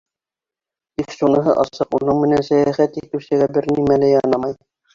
Тик шуныһы асыҡ: уның менән сәйәхәт итеүсегә бер нимә лә янамай.